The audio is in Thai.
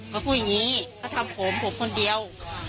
เขาพูดอย่างนี้เขาทำผมผมคนเดียว